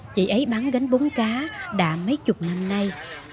chị ấy bán gánh bốn cá đã mấy chục năm nay